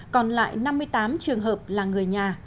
còn lại năm mươi tám trường hợp là người nhà